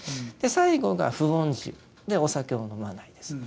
最後が不飲酒お酒を飲まないです。